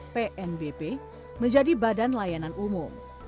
umno berkata beritau laura tha